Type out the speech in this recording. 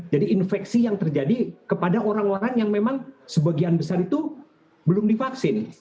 jadi infeksi yang terjadi kepada orang orang yang memang sebagian besar itu belum divaksin